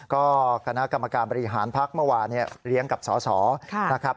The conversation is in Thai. ก็คณะกรรมการบริหารพักเมื่อวานเลี้ยงกับสสนะครับ